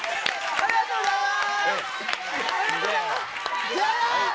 ありがとうございます。